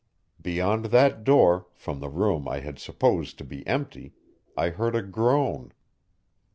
Beyond that door, from the room I had supposed to be empty, I heard a groan.